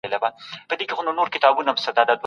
ژبه پړاوونه لري.